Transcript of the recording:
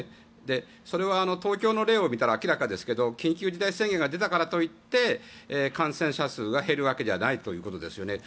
それは東京の例を見たら明らかですけど緊急事態宣言が出たからといって感染者数が減るわけではないということですよね。